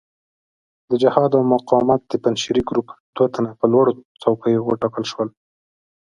د جهاد او مقاومت د پنجشیري ګروپ دوه تنه په لوړو څوکیو وټاکل شول.